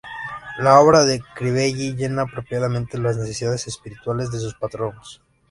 La obra de Crivelli llena apropiadamente las necesidades espirituales de sus patronos.